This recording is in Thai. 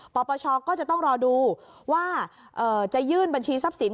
ปปชก็จะต้องรอดูว่าจะยื่นบัญชีทรัพย์สิน